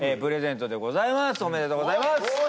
プレゼントでございます。